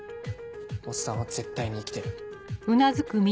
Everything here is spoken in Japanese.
おっさんは絶対に生きてる。